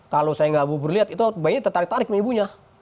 kalau saya nggak mau berlihat itu bayinya tertarik tarik nih ibunya